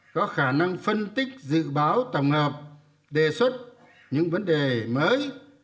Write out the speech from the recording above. có khả năng phân tích dự báo tổng hợp đề xuất những vấn đề mới